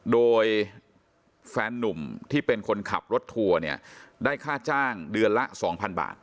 โดยแฟนนุ่มที่เป็นคนขับรถทัวร์เนี่ยได้ค่าจ้างเดือนละ๒๐๐บาท